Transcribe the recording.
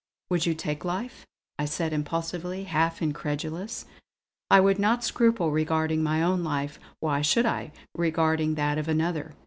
"Would you take life?" I said impulsively, half incredulous. "I would not scruple regarding my own life; why should I, regarding that of another?"